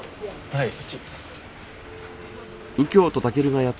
はい。